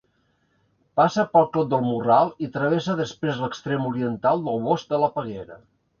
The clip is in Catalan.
Passa pel Clot del Morral, i travessa després l'extrem oriental del bosc de la Peguera.